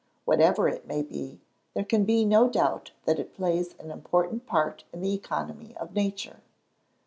Whatever it may be, there can be no doubt that it plays an important part in the economy of nature.